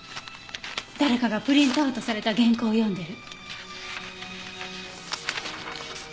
誰かがプリントアウトされた原稿を読んでる。